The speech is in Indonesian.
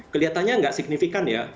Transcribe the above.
kelihatannya tidak signifikan ya